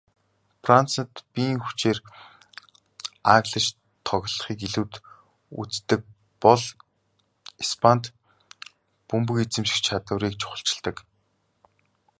Францад биеийн хүчээр ааглаж тоглохыг илүүд үздэг бол Испанид бөмбөг эзэмших чадварыг чухалчилдаг.